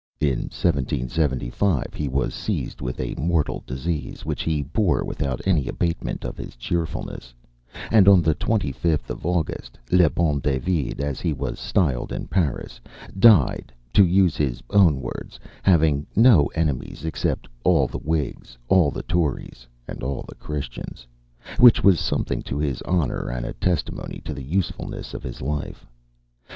In 1775 he was seized with a mortal disease, which he bore without any abatement of his cheerfulness; and on the 25th of August, "le bon David," as he was styled in Paris, died, to use his own words, having "no enemies except all the Whigs, all the Tories, and all the Christians" which was something to his honor, and a testimony of the usefulness of his life.